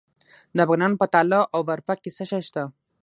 د بغلان په تاله او برفک کې څه شی شته؟